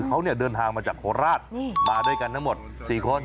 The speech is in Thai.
เขาเดินทางมาจากโคราชมาด้วยกันทั้งหมด๔คน